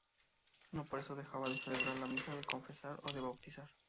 No por eso dejaba de celebrar la misa, de confesar o de bautizar.